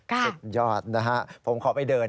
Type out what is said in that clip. ค่ะเสร็จยอดนะฮะผมขอไปเดิน